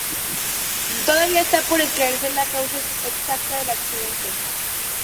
Todavía está por esclarecer la causa exacta del accidente.